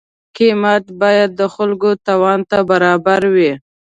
قیمت باید د خلکو توان ته برابر وي.